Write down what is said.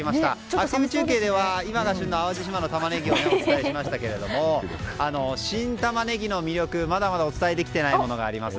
アクティブ中継では今が旬の淡路島のタマネギをお伝えしましたけれども新タマネギの魅力、まだまだお伝えできていないものがあります。